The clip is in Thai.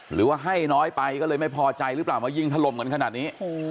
หรือว่าให้น้อยไปก็เลยไม่พอใจหรือเปล่ามายิงถล่มกันขนาดนี้